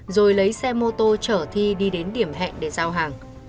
rồi lấy xe mô tô trở thi đi đến điểm hẹn để giao hàng